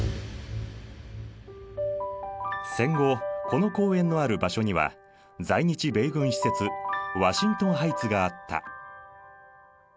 戦後この公園のある場所には在日米軍施設ワシントンハイツがあった。